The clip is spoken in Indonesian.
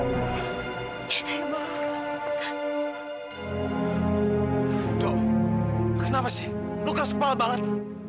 ngo kenapa sih lo keras kepala banget